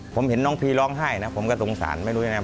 ผมเห็นน้องพีร้องไห้นะผมก็สงสารไม่รู้ยังไง